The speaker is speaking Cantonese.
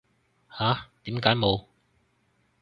吓？點解冇